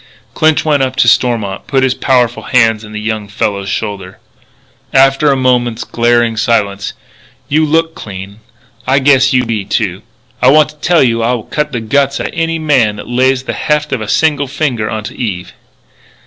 Clinch went up to Stormont, put his powerful hands on the young fellow's shoulders. After a moment's glaring silence: "You look clean. I guess you be, too. I wanta tell you I'll cut the guts outa any guy that lays the heft of a single finger onto Eve."